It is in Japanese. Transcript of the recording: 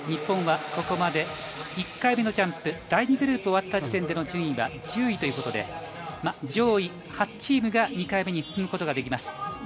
日本はここまで１回目のジャンプ、第２グループが終わった時点での順位は９位ということで、上位８チームが２回目に進むことができます。